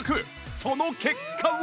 その結果は